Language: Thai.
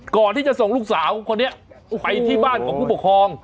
ก่อนที่จะส่งลูกสาวคนนี้ไปที่บ้านของผู้ปกครอง